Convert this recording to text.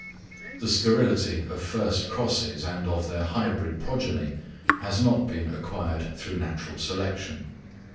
The sterility of first crosses and of their hybrid progeny has not been acquired through natural selection.